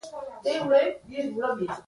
سنایي غزنوي او حافظ شیرازي نومونه هم یاد کړي.